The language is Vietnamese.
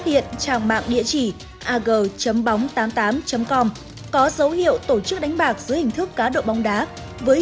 tiện trang mạng địa chỉ ag bóng tám mươi tám com có dấu hiệu tổ chức đánh bạc dưới hình thức cá độ bóng đá với